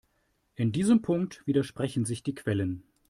In diesem Punkt widersprechen sich die Quellen.